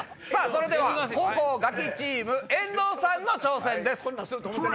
それでは後攻ガキチーム遠藤さんの挑戦です。え！